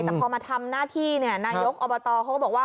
แต่พอมาทำหน้าที่นายกอบตเขาก็บอกว่า